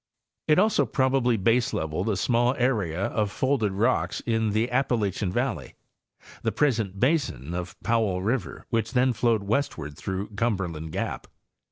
It also probably baseleveled a small area of folded rocks in the Appalachian valley—the pres ent basin of Powell river which then flowed westward through Cumberland gap.